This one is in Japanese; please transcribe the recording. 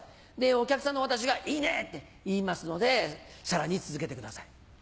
お客さんの私が「いいね」って言いますのでさらに続けてください。